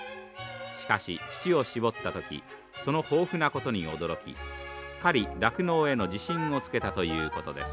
しかし乳を搾った時その豊富なことに驚きすっかり酪農への自信をつけたということです。